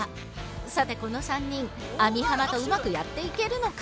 さてこの３人網浜とうまくやっていけるのか。